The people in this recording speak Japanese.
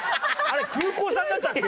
あれ空港さんだったっけ？